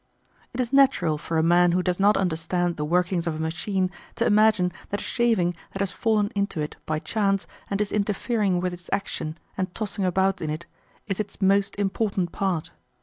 It is natural for a man who does not understand the workings of a machine to imagine that a shaving that has fallen into it by chance and is interfering with its action and tossing about in it is its most important part.